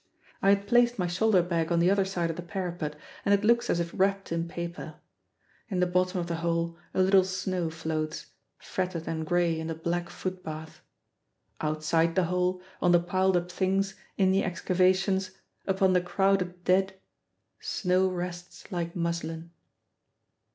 I had placed my shoulder bag on the other side of the parapet, and it looks as if wrapped in paper. In the bottom of the hole a little snow floats, fretted and gray in the black foot bath. Outside the hole, on the piled up things, in the excavations, upon the crowded dead, snow rests like muslin.